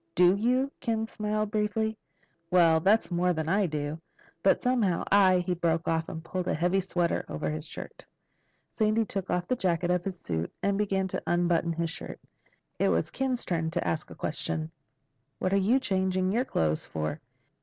"Do you?" Ken smiled briefly. "Well, that's more than I do. But somehow I—" He broke off and pulled a heavy sweater on over his shirt. Sandy took off the jacket of his suit and began to unbutton his shirt. It was Ken's turn to ask a question. "What're you changing your clothes for?"